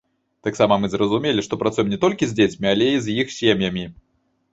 Таксама мы зразумелі, што працуем не толькі з дзецьмі, але і з іх сем'ямі.